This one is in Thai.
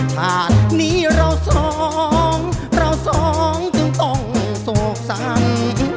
ชาตินี้เราสองเราสองจึงต้องโศกเศร้า